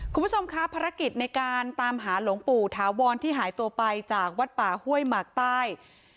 คุณผู้ชมครับภารกิจในการตามหาหลวงปู่ถาวรที่หายตัวไปจากวัดป่าห้วยหมากใต้